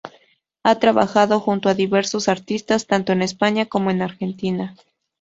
Ha trabajado junto a diversos artistas tanto en España como en Argentina.